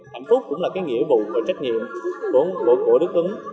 hạnh phúc cũng là cái nghĩa vụ và trách nhiệm của đức tuấn